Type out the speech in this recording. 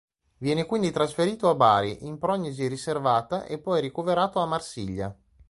Viene quindi trasferito a Bari in prognosi riservata e poi ricoverato a Marsiglia.